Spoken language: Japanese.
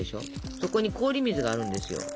そこに氷水があるんですよ。